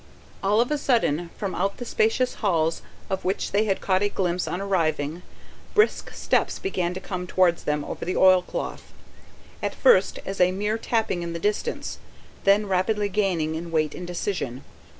All of a sudden, from out the spacious halls of which they had caught a glimpse on arriving, brisk steps began to come towards them over the oilcloth at first as a mere tapping in the distance, then rapidly gaining in weight and decision.